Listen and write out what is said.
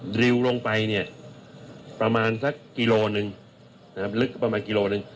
ริวลงไปเนี่ยประมาณสักกิโลหนึ่งนะครับลึกประมาณกิโลหนึ่ง